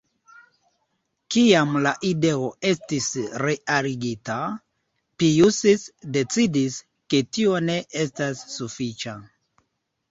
Kiam la ideo estis realigita, Pijus decidis, ke tio ne estas sufiĉa.